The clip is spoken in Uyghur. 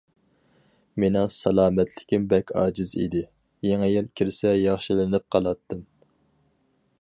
مېنىڭ سالامەتلىكىم بەك ئاجىز ئىدى، يېڭى يىل كىرسە ياخشىلىنىپ قالاتتىم.